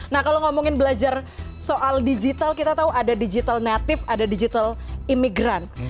nah kalau ngomongin belajar soal digital kita tahu ada digital native ada digital imigran